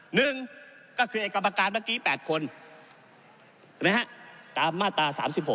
หนึ่งก็คือเอกรรมการเมื่อกี้๘คนเห็นมั้ยฮะตามมาตรา๓๖